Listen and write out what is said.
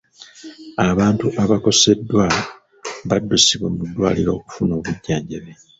Abantu abakoseddwa baddusibwa mu ddwaliro okufuna obujjanjabi.